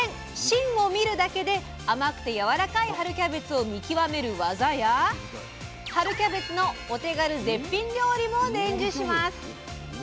芯を見るだけで甘くてやわらかい春キャベツを見極める技や春キャベツのお手軽絶品料理も伝授します！